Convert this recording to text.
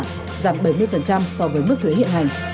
giảm bảy mươi so với mức thuế hiện hành